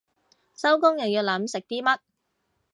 收工又要諗食啲乜